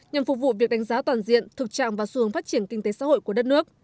nhằm phục vụ việc đánh giá toàn diện thực trạng và xu hướng phát triển kinh tế xã hội của đất nước